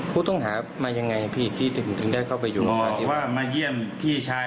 โคะตังหามายังไงพี่ที่ถึงได้เข้าไปอยู่เพิ่มไว้